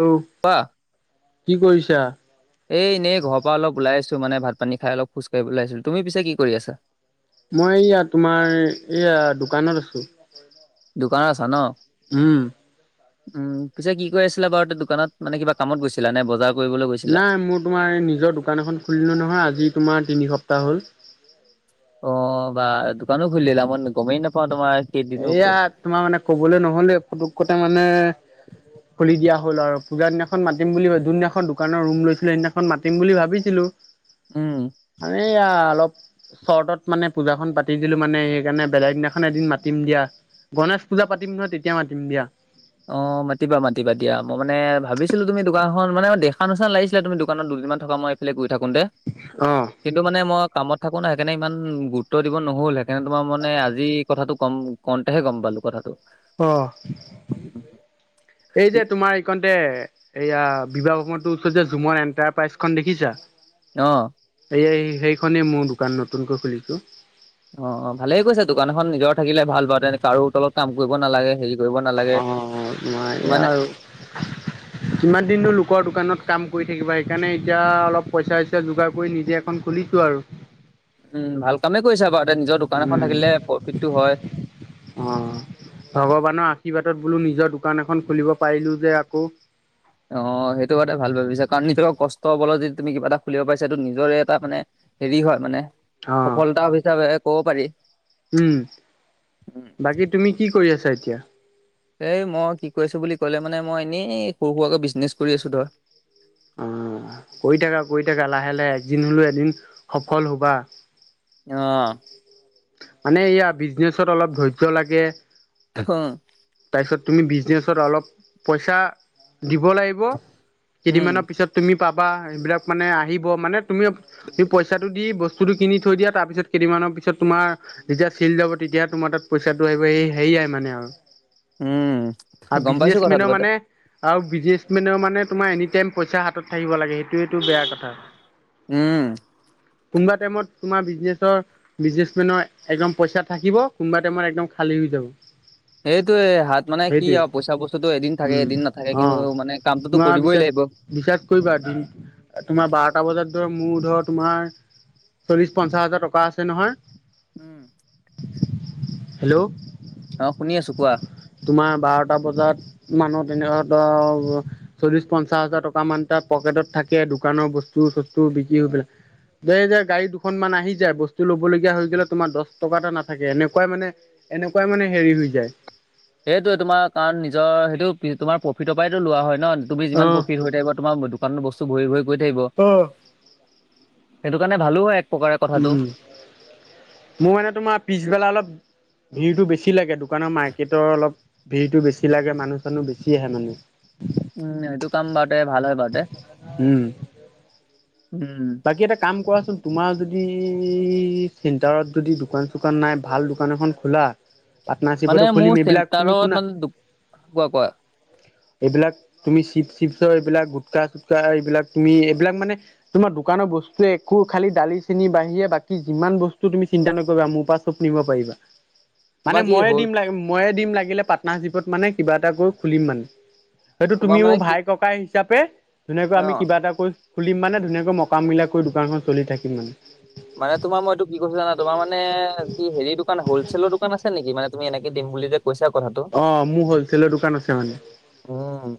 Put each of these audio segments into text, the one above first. Hello কোৱা। কি কৰিছা? এ এনেই ঘৰৰ পৰা অলপ ওলাই আহিছো। মানে ভাত পানী খাই অলপ খোজাঢ়িবলৈ আহিছিলো। তুমি পিছে কি কৰি আছা? মই এয়া তোমাৰ এইয়া দোকানত আছো। দোকানত আছা ন? উম। উম পিছে কি কই আছিলা বাৰু তা- দোকানত। মানে কিবা কামত গৈছিলা নে বজাৰ কৰিবলৈ গৈছিলা নাই মোৰ তোমাৰ এই নিজৰ দোকান এখন খুলিলো নহয় আজি তোমাৰ তিনি সপ্তাহ হ'ল। অ বা দোকানো খুলিলা মই গমেই নাপাওঁ তোমাৰ কেইদিনো এয়া ক- তোমাৰ মানে কবলৈ নহলে ফুটুককতে মানে খুলি দিয়া হ'ল আৰু। পূজা দিনাখন মাতিম বুলি যোন দিনাখন দোকানৰ ৰুম লৈছিলো সেইদিনাখন মাতিম বুলি ভাবিছিলোঁ। উম হেল্ল' এয়া অলপ চৰ্টত মানে পূজাখন পাতি দিলো মানে সেইকাৰণে বেলেগ দিনাখন এদিন মা মাতিম দিয়া। গণেশ পূজা পাতিম নহয় তেতিয়া মাতিম দিয়া। অ মাতিবা মাতিবা দিয়া। মই মানে ভাবিছিলো তুমি দোকানখন মানে ম দেখা নিছিনা লাগিছিলে তুমি দোকানত দু থকা মই এইফালে গৈ থাকোতে কিন্তু মানে মই কামত থাকো নাই সেইকাৰণে ইমান গুৰুত্ব দিব নহ'ল। সেইকাৰণে তোমাৰ মানে আজি কথাটো কম কওঁতেহে গম পালো কথাটো। অ এই যে তোমাৰ পি- এইকণতে এইয়া বিবাহ ভৱনটোৰ ওচৰত যে ঝুমৰ এণ্টাৰপ্ৰাইজখন দেখিছা? অহ। এই সেইখনেই মোৰ দোকান নতুনকৈ খুলিছো। অ অ ভালে ক‌ইছা দোকান এখন নিজৰ থাকিলে ভাল বাৰু তেনে কাৰো তলত কাম কৰিব নালাগে হেৰি কৰিব নালাগে অ তোমাৰ এয়া মানে আৰু। কিমান দিননো লোকৰ দোকানত কাম কৰি থাকিবা? সেইকাৰণে এতিয়া অলপ পইচা-চইচা যোগাৰ কৰি নিজে এখন খুলিছো আৰু। উম, ভাল কামে কৰিছা বাৰ উম অ' ভগৱানৰ আশীৰ্বাদত বোলো নিজৰ দোকান এখন খুলিব পাৰিলো যে আকৌ। অ, সেইটো কথা ভাল ভাবিছা। কাৰণ নিজক কষ্টৰ বলত যদি তুমি কিবা এটা খুলিব পাৰছা, সেইটো নিজৰে এটা মানে হেৰি হয় মানে, অ'। সফলতা হিচাপে ক'ব পাৰি। উম, উম বাকী তুমি কি কৰি আছা এতিয়া? এই মই কি কৰিছো বুলি ক'লে মানে, মই এনেই সৰু সুৰুৰাকৈ বিজনেছ কৰি আছো ধৰ। অ কৰি থাকা কৰি থাকা, লাহে লাহে এদিন হ'লেও এদিন সফল হ'বা। অহ। মানে এয়া বিজনেচত অলপ ধৈৰ্য্য লাগে। ঢখ তাৰপিছত তুমি বিজনেচত অলপ পইচা দিব লাগিব, উম কেইদিনমানৰ পিছত তুমি পাবা, সেইবিলাক মানে আহিব মানে তুমি সেই পইচাটো দি বস্ত- বস্তুটো কিনি থৈ দিয়া, তাৰ পিছত কেইদিনমানৰ পাছত তোমাৰ, যেতিয়া চে'ল যাব তেতিয়া তোমাৰ তাত পইচাটো আহিব। এ সেয়া এ মানে উম আও গম পাইছো কথাটো বিজনেছমেনৰ বাৰুতে মানে আৰু বিজনেচমেনৰ মানে তোমাৰ এনি টাইম পইচা হাতত থাকিব লাগে, সেইটোয়টো বেয়া কথা। উম। কোনোবা টাইমত তোমাৰ বিজনেছৰ, বিজনেমেনৰ একদম পইচা থাকিব, কোনোবা টাইমত একদম খাল- খালি হৈ যাব। সেইটোয়ে হাত মানে কি সেইটোৱে আৰু পইচা বস্তুতটো এদিন থাকে উম এদিন নাথাকে, কিন্তু অ মানে কামটোতো তোমাৰ কৰিবই বিশ্বাস লাগিব। বিশ্বাস কৰিবা দিন, তোমাৰ বাৰটা বজাত ধৰা মোৰ ধৰ- তোমাৰ চল্লিশ, পঞ্চাশ হাজাৰ টকা আছে নহয়। হম। হেল্ল' অ শুনি আছো। কোৱা। তোমাৰ বাৰটা বজাত। মানুহ তেনেকুৱা ত চল্লিশ, পঞ্চাশ হাজাৰ টকা মান তাৰ পকেটত থাকে, দোকানৰ বস্তু চস্ত বিক্ৰী কৰি পেলাই। দে যে গাড়ী দুখন মান আহি যায়, বস্তু ল'ব লগীয়া হৈ গ'লে তোমাৰ দহ টকা এটা নাথাকে, এনেকুৱাই মানে এনেকুৱাই মানে হেৰি হৈ যায়। সেইটোয়ে তোমাৰ কাৰণ নিজৰ সেইটো তোমাৰ প্ৰফিটৰ পৰাইটো লোৱা হয়। ন তুমি অ যিমান প্ৰফিট হৈ থাকিব, তোমাৰ দোকানত বস্তু ভৰি ভৰি গৈ থাকিব। অ সেইটো কাৰণে ভালো হয় এক প্ৰকাৰে কথাটো। উম মোৰ মানে তোমাৰ পিছবেলা অলপ ভিৰটো বেছি লাগে, দোকানৰ মাৰ্কেটৰ অলপ ভিৰটো বেছি লাগে মানুহ-চানুহ বেছি আহে মানে। উম এইটো কাম বাৰটে ভাল হয় বাৰটে উম বাকী এটা কাম কৰাচোন, তোমাৰ যদ- ই চেণ্টাৰত যদি দোকান-চোকান নাই ভাল দোকান এখন খোলা। মানে পাৰ্টনাৰশ্বিপতো খুলিম, মোৰ এইবিলাক তুমি চেণ্টাৰত শুনা মানে দো- কোৱা কোৱা এইবিলাক তুমি চিপ চিপচ, এইবিলাক গোটকা চুটকা এইবিলাক তুমি এইবিলাক মানে তোমাৰ দোকানৰ বস্তুৱে একো খালি দালি, চেনি বাঢ়িৰে বাকি যিমান বস্তু তুমি চিন্তা নকৰিবা, মোৰ পৰা চব নি- নিব পাৰিবা। মানে তোমাৰ কি ময়ে হ'ল দিম ল ময়ে দিম লাগিলে পাৰ্টনাৰশ্বিপত, মানে কিবা এটা কৰি খুলিম মানে। হয়টো তুমি তোমাৰ মানে মোৰ কি ভাই-ককাই হিচাপে, ধুনীয়াকৈ অ আমি কিবা এটা কৰি খুলিম মানে ধুনীয়াক- মকামিলা কৰি দোকানখন চলি থাকিম মানে। মানে তোমাৰ মই এইটো কি কৈছো জানা, তোমাৰমানে কি হেৰি দোকান হলছেলৰ দোকান আছে নেকি? মানে তুমি এনে- দিম বুলি যে কৈছা কথাটো। অ' মোৰ হলচেলৰ দোকান আছে মানে উম।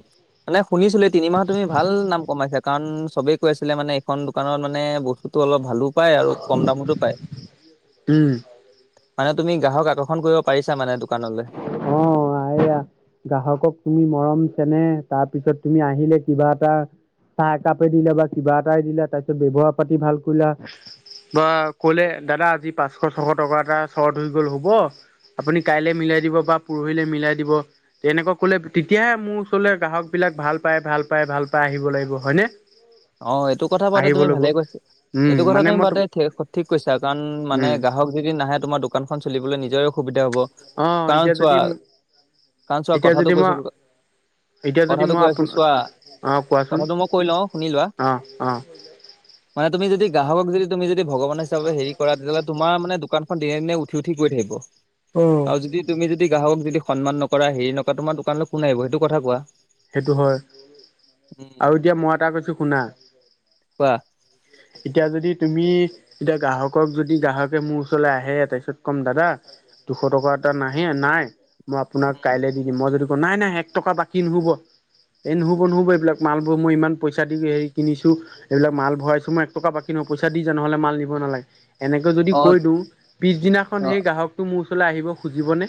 মানে শুনিছিলো এই তিনিমাহত তুমি ভাল নাম কমাইছা। কাৰণ চবেই কৈ আছিলে মানে এইখন দোকানত মানে বস্তুতটো অলপ ভালো। পায় আৰু কম দামটো পায়। উম। মানে তুমি গ্ৰাহক আকৰ্ষণ কৰিব পাৰিছা মানে। দোকানলৈ। অ এইয়া গ্ৰাহকক তুমি মৰম তেনে তাৰ পিছত তুমি আহিলে কিবা এটা চাহ একাপে দিলে বা কিবা এটাই দিলা তাৰ পিছত ব্যৱহাৰ পাতি ভাল কৰিলা বা কলে দাদা আজি পাঁচশ ছশ টকা এটা শ্বৰ্ট হৈ গল হ'ব। আপুনি কাইলে মিলাই দিব বা পৰহিলে মিলাই দিব তেনেকুৱা কলে তেতিয়াহে মোৰ ওচৰলে গ্ৰাহক বিলাক ভাল পায় ভাল পায়। ভাল পাই আহিব লাগিব হয় নে অ এইটো কথা পাতে তুমি ভালে কৈছে উম এইটো কথা মানে তুমি মই তুম মাতে ঠিক কৈছা কাৰণ মানে উম গ্ৰাহক যদি নাহে তোমাৰ দোকানখন চলিবলৈ নি নিজৰে অসুবিধা হব অ কাৰণ এতিয়া চোৱা যদি কাৰণ চোৱা এতিয়া কথাটো যদি মই কৈছো। এতিয়া যদি কথাটো মই কৈ আছো আপোন চোৱা অ কোৱাচোন কথাটো মই কৈ লওঁ শুনি লোৱা অ অ মানে তুমি যদি গ্ৰাহকক যদি তুমি যদি যদি ভগৱান হিচাপে হেৰি কৰা তেতিহলে তোমাৰ মানে দোকানখন দিনে দিনে উঠি উঠি গৈ থাকিব আৰু যদি তুমি যদি গ্ৰাহক যদি সন্মান নকৰা হেৰি নকৰা তোমাৰ দোকানলৈ কোন আহিব সেইটো কথা কোৱা? সেইটো হয় উম, আৰু এতিয়া মই এটা কৈছো শুনা। কোৱা। এতিয়া যদি তুমি এতিয়া গ্ৰাহকক যদি গ্ৰাহকে মোৰ ওচৰলে আহে তাৰপিছত কম দাদা দুশ টকা এটা নাহে নাই মই আপোনাক কাইলে দি দিম মই যদি কওঁ নাই নাই এক টকা বাকী নহব [unintelligible] এই নহব নহব এইবিলাক মালবো মই ইমান পইচা দি হৰি কিনিছো এইবিলাক মাল ভৰাইছো মই এক টকা বাকী নকৈ। পইচা দি যা নহ'লে মাল নিব নালাগে। এনেকৈ যদি অ কৈ দিওঁ পিছদিনাখন অ সেই গ্ৰাহকটো মোৰ ওচৰলৈ আহিব খুজিবনে?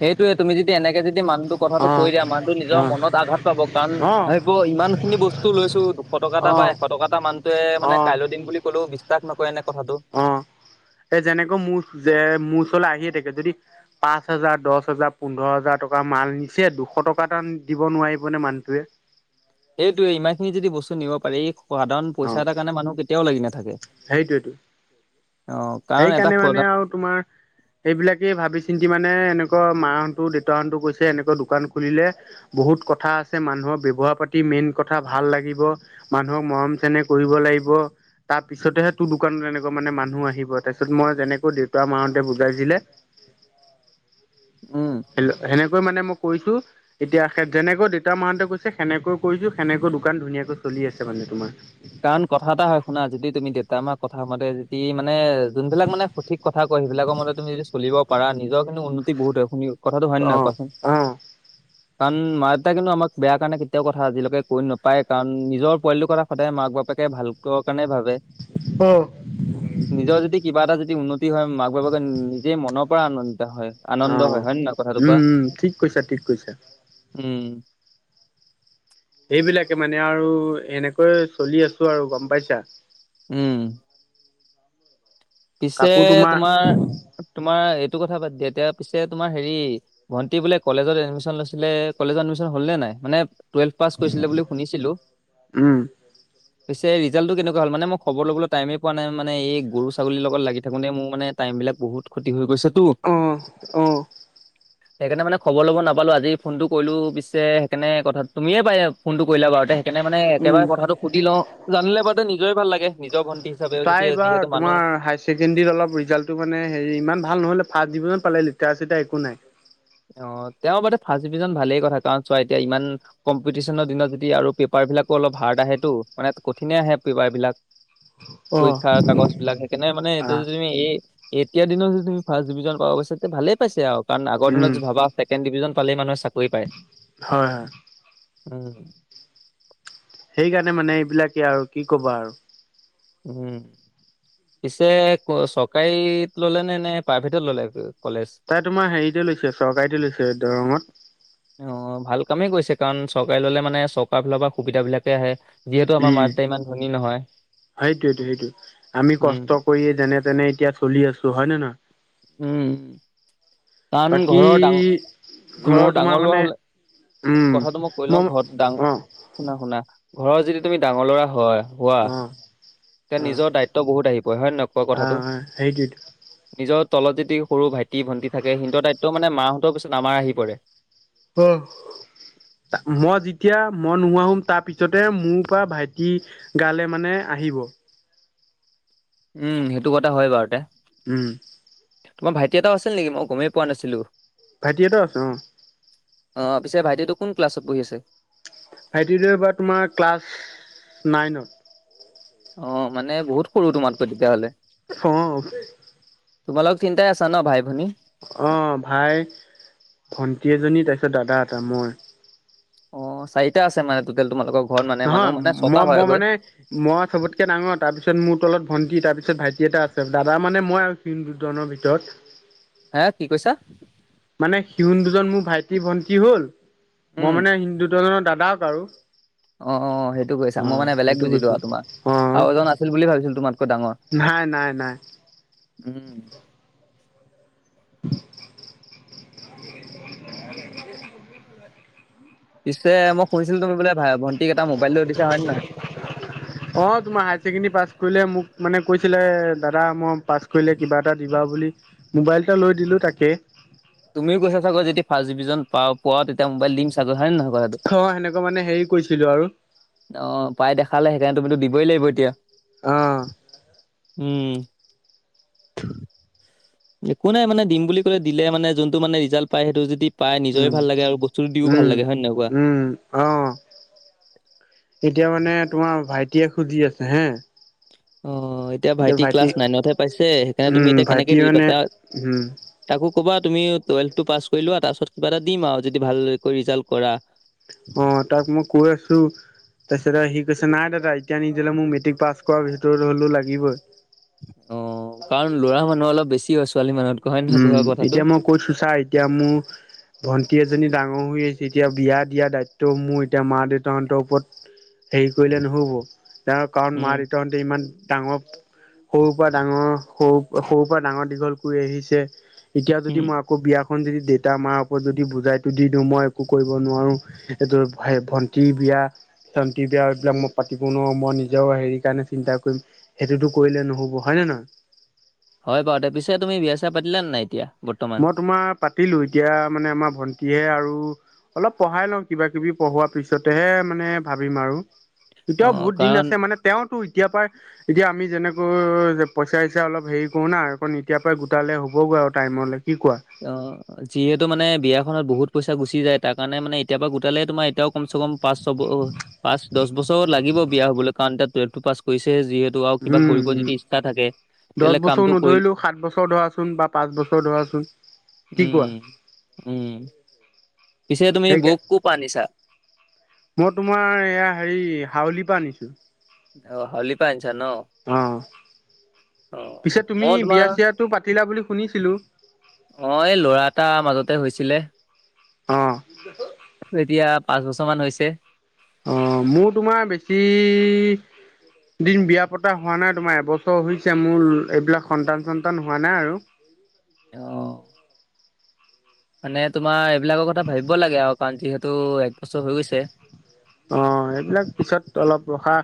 সেইটোয়ে তুমি যদি এনেকে যদি মানুহটো কথাটো অঁ দিয়া মানুহটো। নিজৰ অঁ মনত আঘাত পাব কাৰণ অঁ ভাবিব ইমান খিনি বস্তু লৈছো দুশ টকা এটা বা অঁ এশ টকা এটা মান টোৱে মানে কাইলৈ দিন বুলি ক'লেও বিশ্বাস নকৰে এনেকে। অ এ যেনেকৈ মোৰ যে মোৰ ওচৰলৈ আহিয়ে থাক যদি পাঁচ হাজাৰ দহ হেজাৰ পোন্ধৰ হাজাৰ টকা মাল নিছে দুশ টকা এটা দিব নোৱাৰিব মানে মানটোৱে সেইটোয়ে ইমান খিনি যদি বস্তু নিব পাৰি সাধাৰণ পইচা এটা কাৰণে মানুহ কেতিয়াও লাগি নাথ সেইটোৱেটো অ কাৰণ এটা সেইকাৰণে সদা মানে আৰু তোমাৰ সেইবিলাকেই ভাবি চিন্তি মান মানে এনেকুৱা মাহনতো দেউতাহনতো কৈছে এনেকুৱা দোকান খুলিলে বহুত কথা আছে। মানুহৰ ব্যৱ কোৱা পাতি মেইন কথা ভাল লাগিব মানুহক মৰম চেনেহ কৰিব লাগিব তাৰপিছতহে তো দোকান তেনেকুৱা মানে মানুহ আহিব তাৰছত মই যেনেকৈ দেউতা মা হতে বুজাই দিলে উম সে সেনেকৈ মানে মই কইছো এতিয়া যেনেকৈ দেতা মাহঁতে কৈছে সেনেকৈ কৈইছ সেনেকৈ দোকান ধুনীয়াকৈ চলি আছে মানে তোমাৰ কাৰণ কথা এটা হয় শুনা যদি তুমি দেউতা মা কথা মতে যদি মানে যোনবিলাক মানে সঠিক কথা কয় সেইবিলাকৰ মতে তুমি যদি চলিব পাৰা নিজৰ কিন্তু উন্নতি বহুত হয় শুনি কথাটো হয় নে অ নহয় কোৱাচোন। অ কাৰণ মা দেউতাই কিন্তু আমাক বেয়া কাৰণে কেতিয়াও কথা আজিলৈকে কৈ নাপায় কাৰণ নিজৰ পোৱালিটোৰ কথা সদায় মাক বাপেকে ভাল ক কাৰণে ভাবে অ নিজৰ যদি কিবা এটা যদি উন্নত কি হয় মাক বাপেকে নিজেই মনৰ পৰা আনন্দ তা হয় আনন্দ হয় হয় নে নহয় কথাটো কোৱা। উম উম ঠিক কৈছা ঠিক কৈছা উম সেইবিলাকে মানে আৰু এনেকৈ চলি আছো আৰু গম পাইছা উম। পিছে তোমাৰ তোমাৰ এপ টো কথা বাদ দিয়া এতিয়া পিছে তোমাৰ হেৰি ভণ্টি বোলে কলেজত এডমিশ্যন লৈছিলে কলেজত এডমিশ্যন হ'ল নে নাই। মানে টুৱেলভ পাছ কৰিছিলে বুলি শুনিছিলো উম পিছে ৰিজাল্টো কেনেকুৱা হল মানে মই খবৰ ল'বলে টাইম পোৱা নাই মানে এই গৰু ছাগলী লগ লাগি থাকোঁ মোৰ মানে টাইমবিলাক বহুত ক্ষতি হৈ গৈছে অহঁ অঁহ সেইকাৰণে মানে খবৰ ল'ব নাপালোঁ আজি ফোনটো কৰিলোঁ পিছে সেইকাৰণে কথা তুমিয়ে পাই ফোনটো কৰিলা বাৰুতে সেইকাৰণে মানে উম একেবাৰে কথাটো সুধি লওঁ জানিলে বাৰুতে নিজৰে ভাল লাগে। নিজৰ ভণ্টি হিচাপে যেতিয়া যিহেতু মানুহ ছেকেণ্ডেৰী অলপ ৰিজাল্টো মানে হেৰি ইমান ভাল নহ'লে। ফাৰ্ষ্ট ডিভিজন পালে লেটাৰ-চেটাৰ একো নাই। অ তেওঁ বাদে ফাৰ্ষ্ট ডিভিজন ভালেই কথা। কাৰণ চোৱা এতিয়া ইমান কম্পিটিচনৰ দিনত যদি আৰু পেপাৰ বিলাকো অলপ হাৰ্ড আহেটো। মানে কঠিনে আহে পেপাৰবিলাক। অ পৰীক্ষাৰ কাগজবিলাক, সেইকাৰণে মানে এইটো আহ তুমি এই এতিয়াৰ দিনত তুমি যদি ফাৰ্ষ্ট ডিভিজন পাব পাৰিছা তে ভালেই পাইছে আও। কাৰণ আগৰ দিনত উম যদি ভাবা ছেকেন ডিভিজন পালে মানুহে চাক হয়, হয়। উম। সেইকাৰণে মানে এইবিলাকে আৰু কি কবা আৰু। উম। পিছে চৰকাৰীত ললে নে? নে প্ৰাইভেটত ললে [unintelligible] তাই তোমাৰ হেৰিতে লৈছে চৰকাৰীতে লৈছে দৰঙত। অ, ভাল কামেই কৰিছে। কাৰণ চৰকাৰীত ললে মানে চৰকাৰৰ ফালৰ পৰা সুবিধা বিলাকে আহে। যিহেতু আমাৰ মা-দেউতা ইমান ধনী নহয়। সেইটোৱেটো সেইটো। আমি উম কষ্ট কৰিয়ে যেনে তেনে এতিয়া চলি আছো। হয় নে নহয়? উম, কাৰণ বাকী ঘৰৰ ডাঙৰ, মই ঘৰৰ তোমাৰ ডাঙৰ লৰা মানে হ'লে উম কথাটো মই কৈ লওঁ। ঘৰত ডাঙ অ শুনা, শুনা। ঘৰৰ যিটো তুমি ডাঙৰ ল'ৰা হয়। হোৱা অ। তেতিয়া অ নিজৰ দায়িত্ব বহুত আহি পৰে হয় নে নহয় কোৱা কথাটো। আহ সেইটোৱেটো নিজৰ তলত যদি সৰু ভাইটি-ভণ্টি থাকে সিহঁতৰ দায়িত্ব মানে মাহঁতৰ পিছত আমাৰ আহি পৰে। অহ। মই যেতিয়া মই নোহোৱা হম, তাৰ পিছতে মোৰ পৰা ভাইটি গালে মানে আহ আহিব। উম, সেইটো কথা হয় বাৰু তে। উম। তোমাৰ ভাইটি এটাও আছিল নেকি? মই গমেই পোৱা নাছিলো। ভাইটি এটাও আছে অ। অ, পিছে ভাইটিটো কোন ক্লাছত পঢ়ি আছে? ভাইটিটো এবাৰ তোমাৰ ক্লাছ নাইনত। অ মানে বহুত সৰু তোমাতকৈ তেতিয়াহ'লে। অ। তোমালোক তিনটাই আছা ন ভাই-ভনী? অ ভাই, ভন্টি এজনী তাৰপিছত দাদা এটা, মই। অ, চাৰিটা আছে মানে টোটেল তোমালোকৰ। ঘৰত মানে মানুহ নহয়। মানে ছটা মই মই হয়গৈ মানে মই চবতকে ডাঙৰ, তাৰ পিছত মোৰ তলত ভণ্টি তাৰপিছত ভাইটি এটা আছে। দাদা মানে মই আৰু [unintelligible] দুজনৰ ভিতৰত। হে কি কৈছা মানে সিউন দুজন মোৰ ভাইটি-ভন্টি হ'ল, উম মই মানে ইন দুজনৰ দা লাভ আৰু। অ, অ সেইটো কৈছা। অ মই মানে বেলেগ সেইটো বুজিলো কৈছো আৰু তোমাৰ অ। আৰু এজন আছিল বুলি ভাবিছিলো তোমাতকৈ ডাঙৰ। নাই, নাই, নাই। উম। পিছে মই শুনিছিলো তুমি বোলে ভা ভণ্টিক এটা মোবাইল লৈ দিছা হয় নে নহয়? অ, তোমাৰ হায়াৰ ছেকেণ্ডৰী পাছ কৰিলে মোক মানে কৈছিলে দাদা মই পাছ কৰিলে কিবা এটা দিবা। বুলি মোবাইল এটা লৈ দিলো তাকে। তুমিও কৈছা চাগৈ যদি ফাৰ্ষ্ট ডিভিজন পা পোৱা তেতিয়া মোইল চাগৈ। হয় নে নহয়? [unintelligible] এইটো অ সেনেকুৱা মানে হেৰি কৰিছিলো আৰু অ পাই দেখ পালে সেইকাৰণে তুমিটো দিবই লাগিব এতিয়া। অহ। উম। থু একো নাই মানে দিম বুলি কলে দিলে মানে যোনটো মানে ৰিজাল্ট পায় সেইটো যদি পাই নিজৰে উম ভাল লাগে আৰু বস্তুটো দিও ভাল উম লাগে। হয় নে নহয় কোৱা? উম অ এতিয়া মানে তোমাৰ ভাইটিয়ে খুজি আছে হে অঁ, এতিয়া ভাইটি ক্লাছ নাইনতহে পাইছে সেইকাৰণে উম তুমি এতিয়া কেনেকে ভাইটি দি দিবা মানে তাক- উম তাকো ক'বা তুমি টুৱেলভটো পাছ কৰি লোৱা, তাৰপাছত কিবা এটা দিম আৰু যদি ভাল কৈ ৰিজাল্ট কৰা। অ, তাক মই কৈ আছো তাৰপিছত সি কৈছ নাই দাদা। এতিয়া নিদিলে মোক মেট্ৰিক পাছ কৰাৰ ভিতৰত হলেও লাগিবই। অ, কাৰণ লৰা মানুহ অলপ বেছি হৈছে উম, এতিয়া মই কৈছো ছা এতিয়া মোৰ ভন্টি এজনী ডাঙৰ হৈ আহিছে এতিয়া বিয়া দিয়া দায়িত্বও মোৰ, এতিয়া মা দেউতাহঁতৰ ওপৰত দেৰি কৰিলে নহ'ব, তাৰ কাৰণ মা উম দেউতাহতে ইমান ডাঙৰ, সৰুৰ পৰা ডাঙৰ সৰু -সৰুৰ পৰা ডাঙৰ দীঘল কৰি আহিছে। এতিয়া যদি উম মই আকৌ বিয়া খন যদি দেউতা মাৰ ওপৰত যদি বুজাইটো দি দিওঁ মই একো কৰিব নোৱাৰো, এইটো ভন্টি বি এতিয়া ভন্তি বিয়া এইবিলাক মই পাতিব নোৱাৰো মই নিজৰ হেৰি কাৰণে চিন্তা কৰিম এইটোতো কৰিলে নহ'ব। হয় নে নহয়? [inaudible] হয় বাৰু দে। পিছে তুমি বিয়া চিয়া পাতিলা নাই এতিয়া? বৰ্তমান মই তোমাৰ পাতিলো, এতিয়া মানে আমাৰ ভন্টিহে আৰু অলপ পঢ়াই লওঁ কিবা কিবি পঢ়োৱাৰ পিছতেহে মানে ভাবিম আৰু অ এতিয়াও বহুত দিন কাৰণ আছে, মানে তেওঁতো এতিয়াৰ পৰা এতিয়া আমি যেনে তুৰ পইচা চইচা অলপ হেৰি কৰো না অকন এতিয়া পৰা গোটালে হ'ব বাৰু টাইমলৈ অ, যিহেতু মানে বিয়া ধৰা বহুত পইচা গুচি যায় তাৰ কাৰণে মানে এতিয়া পৰা গোটালে তোমাৰ এতিয়াও কমচে কম পাঁচ-ছ ব পাঁচ- দহ বছৰ ছৰ লাগিব বিয়া হ'বলৈ কাৰণ তাত টুৱেল্ভ টো পাছ কৰিছে যে উম, উম, তেতিয়াহ'লে দশ বছৰ কামটো কৰি নধৰিলেও সাত বছৰ ধৰাচোন বা পাঁচ বছৰ ধৰা ধৰা চোন উম উম উম পিছে তুমি সেইকে বৌক কৰপা আনিছা? মই তোমাৰ এয়া হেৰি, হাউলিৰ পৰা আনিছো। অ, হওলি পা আনি অ, অ পিছে তুমি মই তোমাৰ বিয়া চিয়াটো পাতিলা বুলি শুনিছিলো অ, এই ল'ৰা এটা মাজতে হৈছিলে। অ। এতিয়া পাঁচ বছৰ মান হৈছে অ, মোৰ তোমাৰ বেছি দিন বিয়া পতা হোৱা নাই তোমাৰ এবছৰ হৈছে মোৰ এইবিলাক সন্তান চন্তান হোৱা নাই আৰু [inaudible] অ। মানে তোমাৰ, এইবিলাকৰ কথা ভাবিব লাগে আৰু কাৰণ যিহেতু একবছৰ হৈ গৈছে। অ, এইবিলাক পিছত অলপ ৰখা